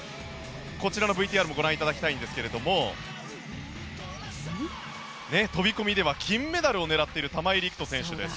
こちらのＶＴＲをご覧いただきたいんですが飛込では金メダルを狙っている玉井陸斗選手です。